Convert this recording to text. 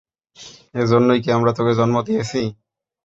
এজন্যই কি আমরা তোকে জন্ম দিয়েছি?